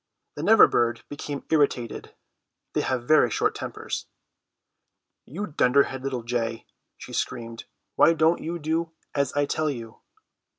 The Never bird became irritated; they have very short tempers. "You dunderheaded little jay!" she screamed, "Why don't you do as I tell you?"